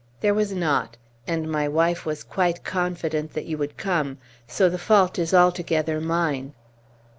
"There was not; and my wife was quite confident that you would come; so the fault is altogether mine.